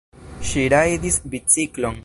Ŝi rajdis biciklon.